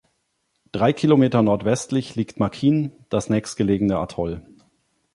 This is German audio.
Drei Kilometer nordwestlich liegt Makin, das nächstgelegene Atoll.